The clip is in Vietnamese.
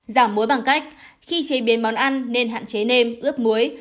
giảm muối bằng cách khi chế biến món ăn nên hạn chế nêm ướp muối